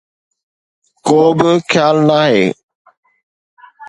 ڪو به خيال ناهي.